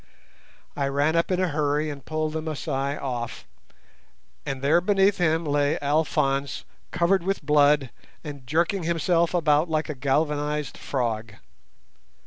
I ran up in a hurry and pulled the Masai off, and there beneath him lay Alphonse covered with blood and jerking himself about like a galvanized frog.